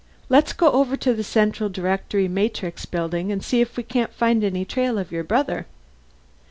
Let's go over to the Central Directory Matrix Building and see if we can find any trail for your brother."